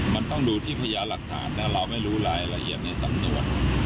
มันต้องดูที่พยานหลักฐานนะเราไม่รู้รายละเอียดในสำนวน